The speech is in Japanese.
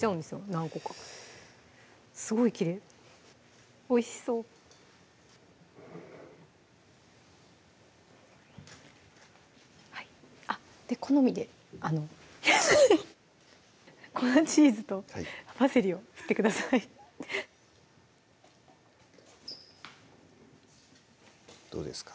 何個かすごいきれいおいしそうあっ好みであの粉チーズとパセリを振ってくださいどうですか？